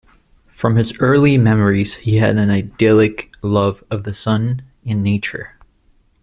From his early memories he had an idyllic love of the sun and nature.